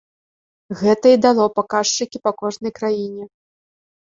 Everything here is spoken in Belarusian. Гэта і дало паказчыкі па кожнай краіне.